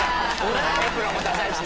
エプロンもダサいしな。